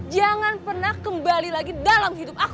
jangan pernah kembali lagi dalam hidup aku